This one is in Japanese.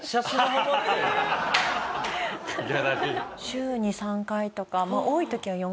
週に３回とか。